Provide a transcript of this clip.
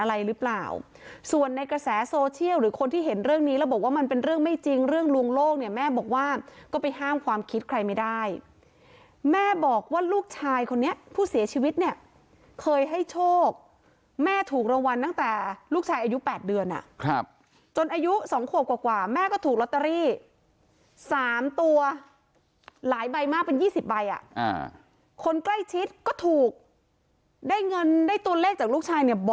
อะไรหรือเปล่าส่วนในกระแสโซเชียลหรือคนที่เห็นเรื่องนี้แล้วบอกว่ามันเป็นเรื่องไม่จริงเรื่องลวงโลกเนี่ยแม่บอกว่าก็ไปห้ามความคิดใครไม่ได้แม่บอกว่าลูกชายคนนี้ผู้เสียชีวิตเนี่ยเคยให้โชคแม่ถูกรางวัลตั้งแต่ลูกชายอายุ๘เดือนอ่ะครับจนอายุสองขวบกว่าแม่ก็ถูกลอตเตอรี่๓ตัวหลายใบมากเป็น๒๐ใบอ่ะคนใกล้ชิดก็ถูกได้เงินได้ตัวเลขจากลูกชายเนี่ยบ